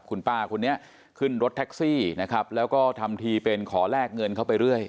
คุณป้าคนนี้ขึ้นรถแท็กซี่นะครับแล้วก็ทำทีเป็นขอแลกเงินเข้าไปเรื่อย